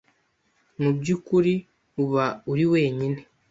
mu by ukuri uba uri wenyine